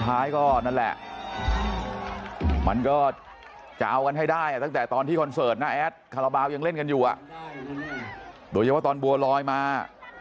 หรือจริงว่าตอนบัวลอยมา